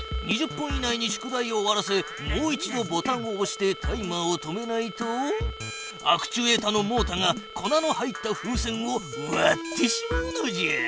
２０分以内に宿題を終わらせもう一度ボタンをおしてタイマーを止めないとアクチュエータのモータが粉の入った風船をわってしまうのじゃ。